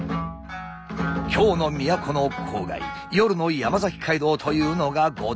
京の都の郊外夜の山崎街道というのが五段目の舞台。